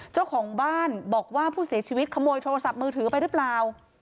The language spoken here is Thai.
เจ้าของบ้านบอกว่าผู้เสียชีวิตขโมยโทรศัพท์มือถือไปหรือเปล่า